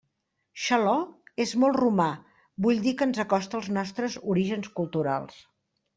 Xaló és molt romà, vull dir que ens acosta als nostres orígens culturals.